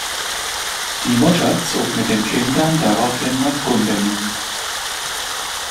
Die Mutter zog mit den Kindern daraufhin nach Gumbinnen.